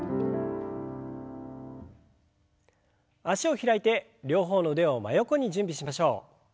脚を開いて両方の腕を真横に準備しましょう。